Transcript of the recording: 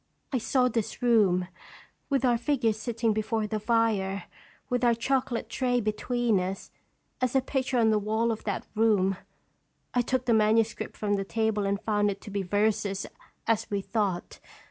I saw this room, with our figures sitting before the fire, with our chocolate tray between us, as a picture on the wall of that room. I took the manuscript from the table, and found it to be verses, as we thought.